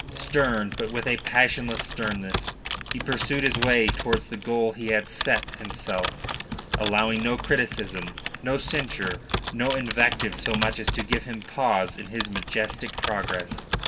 Stern, but with a passionless sternness, he pursued his way towards the goal he had set himself, allowing no criticism, no censure, no invective so much as to give him pause in his majestic progress.